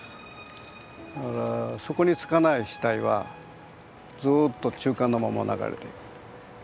だから底につかない死体はずっと中間のまま流れていく。